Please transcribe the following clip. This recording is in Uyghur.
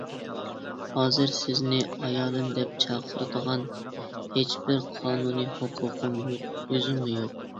ھازىر سىزنى ئايالىم دەپ چاقىرىدىغان ھېچبىر قانۇنىي ھوقۇقۇم يوق، يۈزۈممۇ يوق !